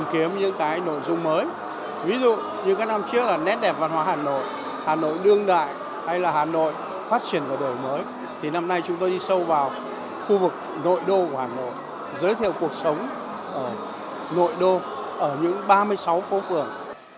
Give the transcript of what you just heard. hội đồng ở những ba mươi sáu phố phường